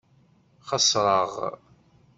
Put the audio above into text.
Xeṣreɣ.